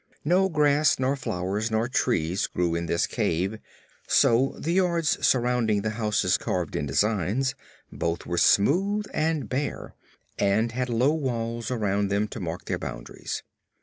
No grass nor flowers nor trees grew in this cave, so the yards surrounding the houses carved in designs both were smooth and bare and had low walls around them to mark their boundaries.